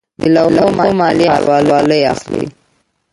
د لوحو مالیه ښاروالۍ اخلي